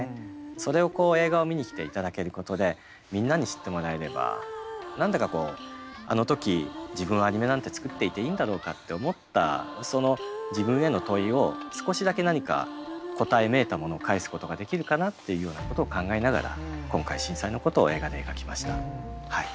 それを映画を見に来ていただけることでみんなに知ってもらえれば何だかこうあの時自分はアニメなんて作っていていいんだろうかって思ったその自分への問いを少しだけ何か答えめいたものを返すことができるかなっていうようなことを考えながら今回震災のことを映画で描きました。